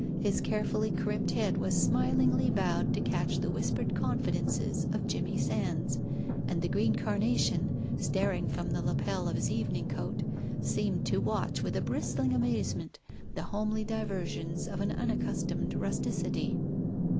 His carefully crimped head was smilingly bowed to catch the whispered confidences of Jimmy Sands, and the green carnation, staring from the lapel of his evening coat, seemed to watch with a bristling amazement the homely diversions of an unaccustomed rusticity.